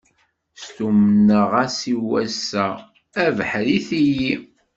Stummneɣ-as i wass-a, abeḥri tili.